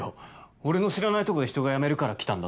俺の知らないとこで人が辞めるから来たんだ